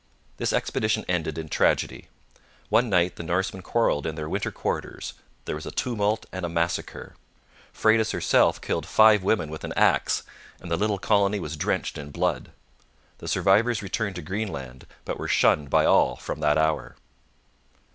This expedition ended in tragedy. One night the Norsemen quarrelled in their winter quarters, there was a tumult and a massacre. Freydis herself killed five women with an axe, and the little colony was drenched in blood. The survivors returned to Greenland, but were shunned by all from that hour.